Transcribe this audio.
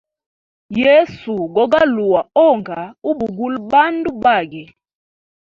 Yesu gogaluwa onga ubugula bandu bage.